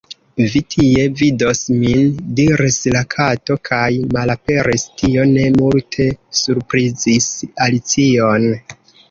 "Vi tie vidos min," diris la Kato kaj malaperis! Tio ne multe surprizis Alicion.